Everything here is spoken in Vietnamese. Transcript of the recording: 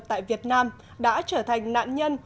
tại việt nam đã trở thành nạn nhân